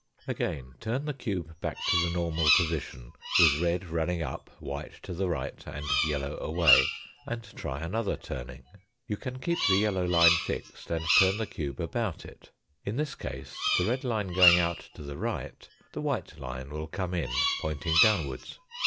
Again turn the cube back to the normal position with red running up, white to the right, and yellow away, and try another turning. You can keep the yellow line fixed, and turn the cube about it. In this case the red line going out to the right the white line will come in pointing downwards.